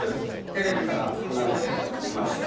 テレビから離れていまして。